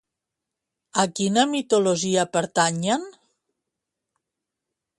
A quina mitologia pertanyen?